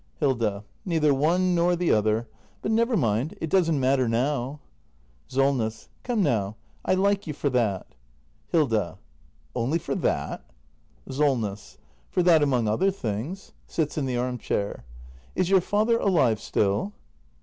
Hilda. Neither one nor the other. But never mind — it doesn't matter now. SOLNESS. Come now, I like you for that. Hilda. Only for that ? SOLNESS. For that among other things. [Sits in the arm chair.] Is your father alive still